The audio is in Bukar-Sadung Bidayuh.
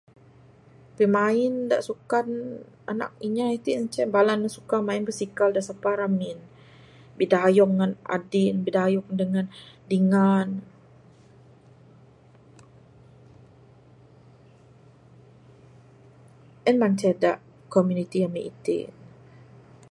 Pimain da sukan bala anak inya itin inceh suka main basikal da sapa ramin. Bidayung ngan adik ne bidayung dangan dingan ne en manceh komuniti ami itin ne.